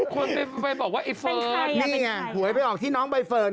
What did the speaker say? คนไปบอกว่าไอ้เฟิร์นนี่ไงหวยไปออกที่น้องใบเฟิร์น